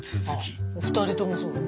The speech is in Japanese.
あ２人ともそう。